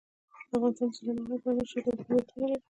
افغانستان د سلیمان غر په اړه مشهور تاریخی روایتونه لري.